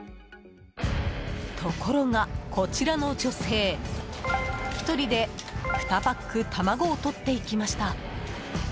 ところが、こちらの女性１人で２パック卵を取っていきました。